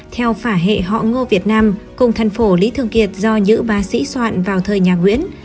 theo phả hệ họ ngô việt nam cùng thân phổ lý thường kiệt do nhữ bá sĩ soạn vào thời nhà nguyễn